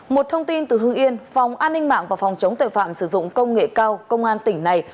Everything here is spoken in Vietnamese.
một thông tin từ hưng yên phòng an ninh mạng và phòng chống tội phạm sử dụng công nghệ cao công an tỉnh này